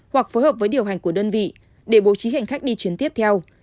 hoặc phối hợp với điều hành của đơn vị để bố trí hành khách đi chuyến tiếp theo